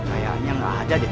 kayaknya gak ada deh